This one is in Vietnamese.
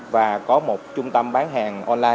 và có một trung tâm bán hàng online